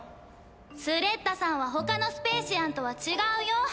スレッタさんはほかのスペーシアンとは違うよ。